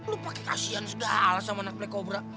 lo pake kasihan segala sama anak black cobra